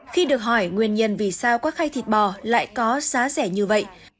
khi được hỏi nguyên nhân vì sao các khay thịt bò lại có giá rẻ như vậy